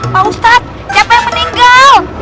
pak ustadz siapa yang meninggal